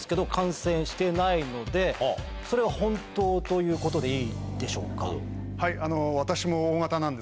それは本当ということでいいんでしょうか？